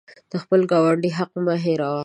د خپل ګاونډي حق مه هیروه.